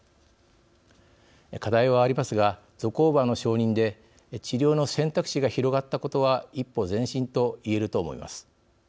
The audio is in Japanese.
課題はありますがゾコーバの承認で治療の選択肢が広がったことは一歩前進と言えると思います。